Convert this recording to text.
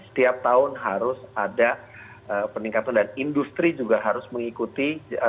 setiap tahun harus ada peningkatan dan industri juga harus mengikuti